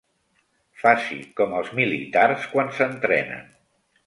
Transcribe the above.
Faci com els militars quan s'entrenen.